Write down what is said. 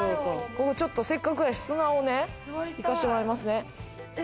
ここ、ちょっとせっかくやし、砂を行かしてもらいますね。